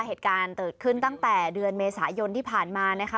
เหตุการณ์เกิดขึ้นตั้งแต่เดือนเมษายนที่ผ่านมานะคะ